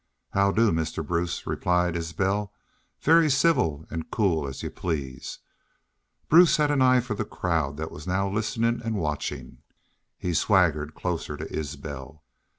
"'Hod do, Mister Bruce,' replied Isbel, very civil ant cool as you please. Bruce hed an eye fer the crowd thet was now listenin' an' watchin'. He swaggered closer to Isbel.